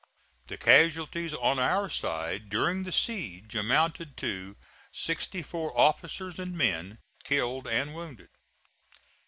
The casualties on our side during the siege amounted to sixty four officers and men, killed and wounded.